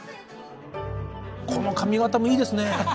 この髪形もいいですね。